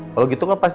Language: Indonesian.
kalau gitu kan pasti